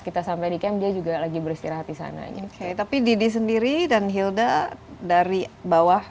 kita sampai di camp dia juga lagi beristirahat di sana tapi didi sendiri dan hilda dari bawah